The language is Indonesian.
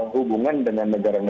hubungan dengan negara negara